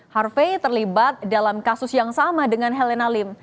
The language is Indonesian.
harvey terlibat dalam kasus yang sama dengan helena lim